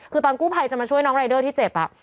คือตอนกู้ภัยจะมาช่วยน้องรายเดอร์ที่เจ็บ